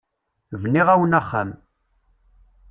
Bniɣ-awen axxam.